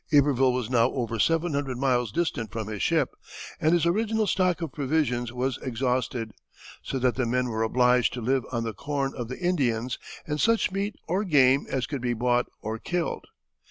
] Iberville was now over seven hundred miles distant from his ship, and his original stock of provisions was exhausted, so that the men were obliged to live on the corn of the Indians and such meat or game as could be bought or killed.